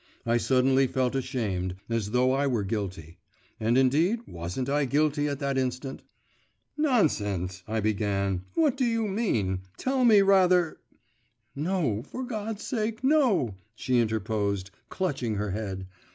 I suddenly felt ashamed, as though I were guilty. And indeed, wasn't I guilty at that instant? 'Nonsense!' I began; 'what do you mean? Tell me rather ' 'No, for God's sake, no!' she interposed, clutching her head.